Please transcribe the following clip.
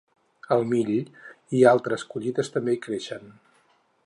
El mill i altres collites també hi creixien.